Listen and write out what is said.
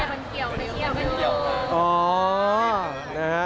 มันเกี่ยวกันเลย